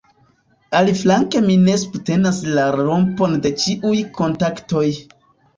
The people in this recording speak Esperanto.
Aliflanke mi ne subtenas la rompon de ĉiuj kontaktoj.